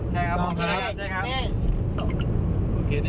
ใช่ครับมองครับใช่ครับใช่ครับใช่